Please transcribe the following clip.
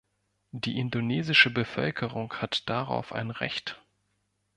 Die indonesische Bevölkerung hat darauf ein Recht.